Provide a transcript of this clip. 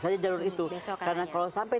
saja jalur itu karena kalau sampai